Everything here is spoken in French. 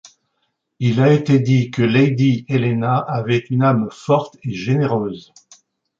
Il a été dit que lady Helena avait une âme forte et généreuse.